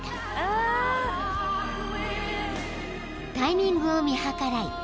［タイミングを見計らい］